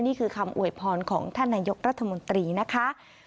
นี่คือคำอวยพรของท่านนายกรัฐมนตรีนะคะ